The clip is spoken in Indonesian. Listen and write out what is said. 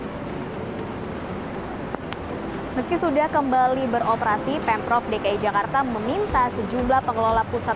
hai meski sudah kembali beroperasi pemprov dki jakarta meminta sejumlah pengelola pusat